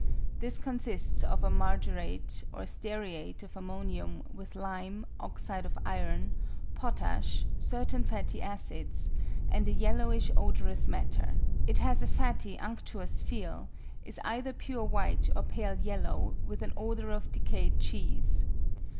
This consists of a margarate or stearate of ammonium with lime, oxide of iron, potash, certain fatty acids, and a yellowish odorous matter. It has a fatty, unctuous feel, is either pure white or pale yellow, with an odour of decayed cheese.